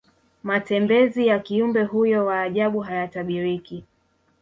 matembezi ya kiumbe huyo wa ajabu hayatabiriki